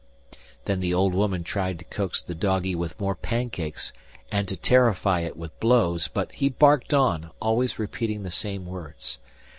Then the old woman tried to coax the doggie with more pancakes and to terrify it with blows, but he barked on, always repeating the same words.